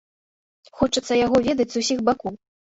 Хочацца яго ведаць з усіх бакоў.